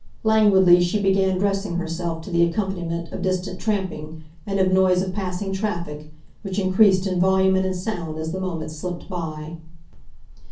Languidly she began dressing herself to the accompaniment of distant tramping and of noise of passing traffic, which increased in volume and in sound as the moments slipped by.